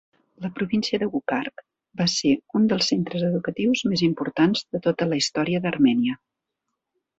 La província de Gugark va ser un dels centres educatius més importants de tota la història d'Armènia.